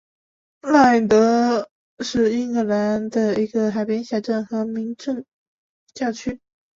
赖德是英格兰的一个海滨小镇和民政教区。